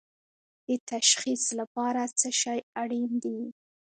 د تشخیص لپاره څه شی اړین دي؟